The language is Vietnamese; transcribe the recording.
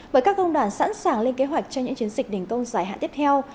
với các công đoàn sẵn sàng lên kế hoạch cho những chiến dịch đình công dài hạn tiếp theo